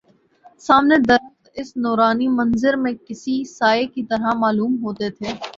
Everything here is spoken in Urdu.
سامنے درخت اس نورانی منظر میں کسی سائے کی طرح معلوم ہوتے تھے